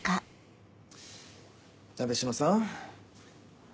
鍋島さん。